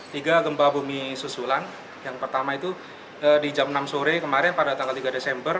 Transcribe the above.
tiga gempa bumi susulan yang pertama itu di jam enam sore kemarin pada tanggal tiga desember